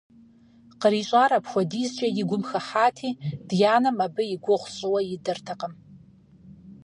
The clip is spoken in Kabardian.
КърищӀар апхуэдизкӀэ и гум хыхьати, дянэм абы и гугъу сщӀыуэ идэртэкъым.